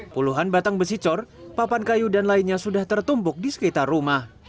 puluhan batang besi cor papan kayu dan lainnya sudah tertumpuk di sekitar rumah